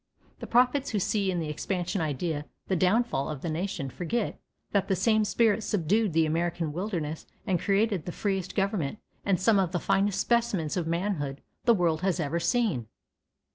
The prophets who see in the expansion idea the downfall of the nation forget that the same spirit subdued the American wilderness and created the freest government and some of the finest specimens of manhood the world has ever seen.